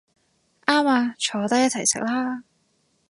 啱吖，坐低一齊食啦